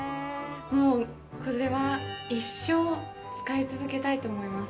もうこれは一生使い続けたいと思います。